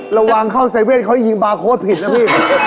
ระวังเข้าเซ็กเวียดเขาวิ่งบาร์โค้ดผิดนะพี่